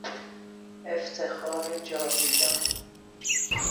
افتخار جاویدان